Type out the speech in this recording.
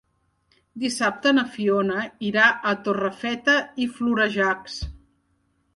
Dissabte na Fiona irà a Torrefeta i Florejacs.